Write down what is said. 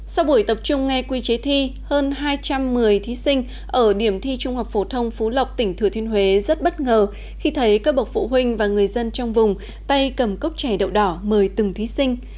sau buổi tập trung nghe quy chế thi hơn hai trăm một mươi thí sinh ở điểm thi trung học phổ thông phú lộc tỉnh thừa thiên huế rất bất ngờ khi thấy các bậc phụ huynh và người dân trong vùng tay cầm cốc chè đậu đỏ mời từng thí sinh